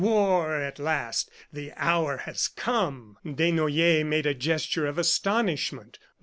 "War at last. ... The hour has come!" Desnoyers made a gesture of astonishment.